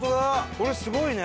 これすごいね！